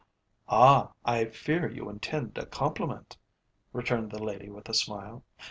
"Ah! I fear you intend a compliment," returned the lady with a smile.